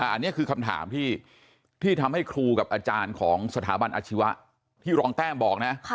อันนี้คือคำถามที่ทำให้ครูกับอาจารย์ของสถาบันอาชีวะที่รองแต้มบอกนะ